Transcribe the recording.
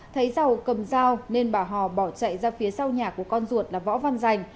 thấy giàu cầm dao nên bà hò bỏ chạy ra phía sau nhà của con ruột là võ văn dành